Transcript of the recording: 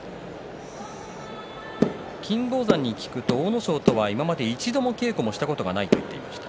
金峰山に聞くと、阿武咲とは今まで一度も稽古をしたことないと言っていました。